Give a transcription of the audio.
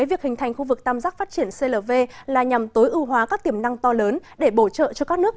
việc hình thành khu vực tam giác phát triển clv là nhằm tối ưu hóa các tiềm năng to lớn để bổ trợ cho các nước